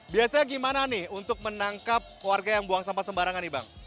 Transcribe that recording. biasanya gimana nih untuk menangkap warga yang buang sampah sembarangan nih bang